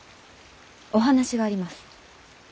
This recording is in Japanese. お話があります。